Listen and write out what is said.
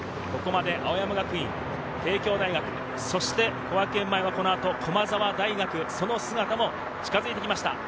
ここまで青山学院、帝京大学、小涌園前はこの後、駒澤大学その姿も近づいてきました。